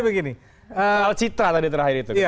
begini al citra tadi terakhir itu